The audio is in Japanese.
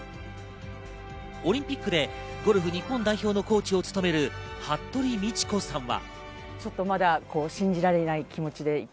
オリンピックでゴルフ日本代表のコーチを務める服部道子さんは。